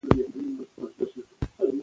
ښه تخم وکرئ.